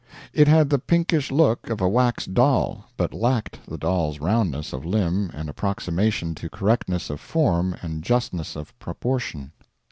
It had the pinkish look of a wax doll, but lacked the doll's roundness of limb and approximation to correctness of form and justness of proportion.